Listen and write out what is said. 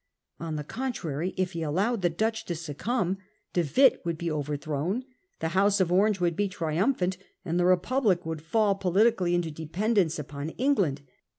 On the con 1665. Battle off Lowestoft. 1 31 trary, if he allowed the Dutch to succumb, De Witt would be overthrown, the House of Orange would be triumphant, and the Republic would fall politically into dependence upon England.